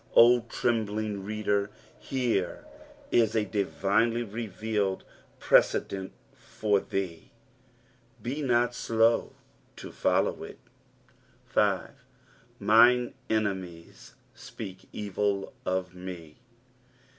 O trembling reader, here is » divinely revealed precedent for thee, be not alow to follow it. G. " Mine enemien tpenk evil of me."